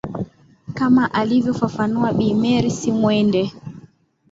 kama anavofafanua bi mercy mwende